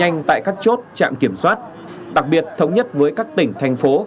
chạm nhanh tại các chốt chạm kiểm soát đặc biệt thống nhất với các tỉnh thành phố